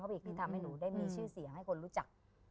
อีกที่ทำให้หนูได้มีชื่อเสียงให้คนรู้จัก